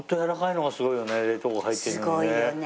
冷凍庫入ってるのにね。